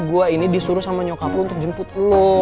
gue ini disuruh sama nyokap lu untuk jemput lu